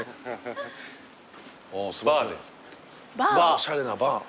おしゃれなバー。